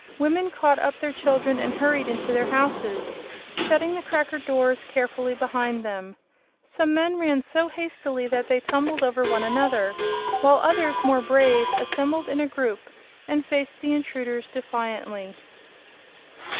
Women caught up their children and hurried into their houses, shutting the cracker doors carefully behind them. Some men ran so hastily that they tumbled over one another, while others, more brave, assembled in a group and faced the intruders defiantly.